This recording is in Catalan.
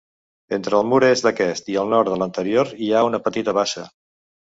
Entre el mur est d'aquest i el nord de l'anterior, hi ha una petita bassa.